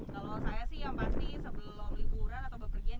kalau saya sih yang pasti sebelum liburan atau bepergian